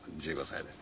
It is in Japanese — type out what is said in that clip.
１５歳で。